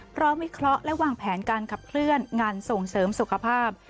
วิเคราะห์และวางแผนการขับเคลื่อนงานส่งเสริมสุขภาพ